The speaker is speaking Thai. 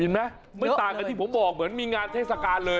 ไม่ต่างกับที่ผมบอกเหมือนมีงานเทศกาลเลย